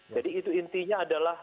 jadi itu intinya adalah